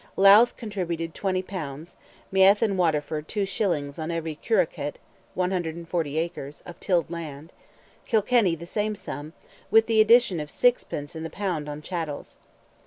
Louth contributed 20 pounds; Meath and Waterford, 2 shillings on every carucate (140 acres) of tilled land; Kilkenny the same sum, with the addition of 6 pence in the pound on chattels.